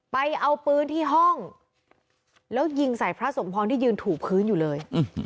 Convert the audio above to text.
ไปเอาปืนที่ห้องแล้วยิงใส่พระสมพรที่ยืนถูกพื้นอยู่เลย